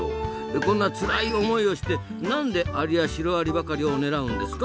こんなつらい思いをしてなんでアリやシロアリばかりを狙うんですか？